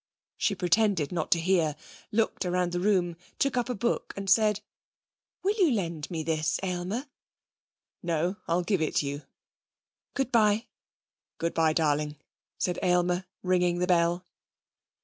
She pretended not to hear, looked round the room, took up a book and said: 'Will you lend me this, Aylmer?' 'No, I'll give it you.' 'Good bye.' 'Good bye, darling,' said Aylmer, ringing the bell.